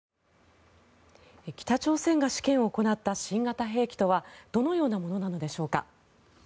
北朝鮮が試験を行った新型兵器とはどのようなものなのでしょうか。